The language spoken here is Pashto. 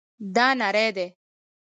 دا نری دی